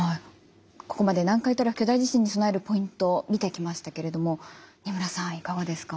ここまで南海トラフ巨大地震に備えるポイント見てきましたけれども仁村さんいかがですか？